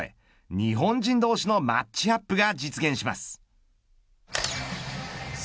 日本人同士のマッチアップが実現します。